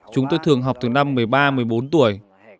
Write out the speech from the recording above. chúng tôi thường học từ năm một mươi ba một mươi bốn tuổi